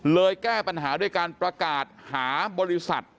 แก้ปัญหาด้วยการประกาศหาบริษัท